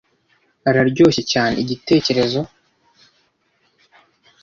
araryoshye cyane igitekerezo